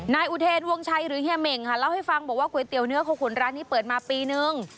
นายอุเทนวงชัยหรือเฮียเหม่งค่ะเล่าให้ฟังบอกว่าก๋วยเตี๋ยเนื้อโคขุนร้านนี้เปิดมาปีนึง